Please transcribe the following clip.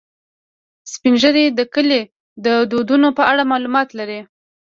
سپین ږیری د کلي د دودونو په اړه معلومات لري